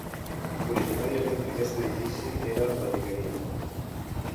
Originàriament aquest edifici era la Vicaria.